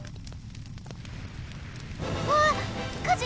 うわっ火事！